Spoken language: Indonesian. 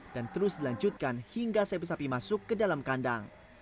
dan terus dilanjutkan hingga sapi sapi masuk ke dalam kandang